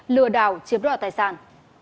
đưa đảo chiếm rõ tài sản